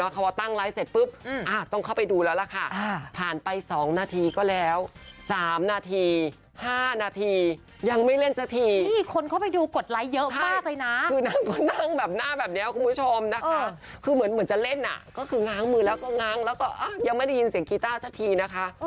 ก็คือง้างมือแล้วก็ง้างแล้วก็ยังไม่ได้ยินเสียงกีตาร์สักทีนะคะ